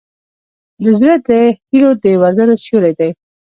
زړه د هيلو د وزرو سیوری دی.